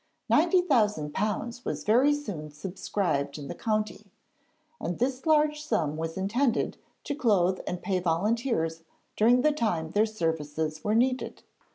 £90,000 was very soon subscribed in the county, and this large sum was intended to clothe and pay volunteers during the time their services were needed.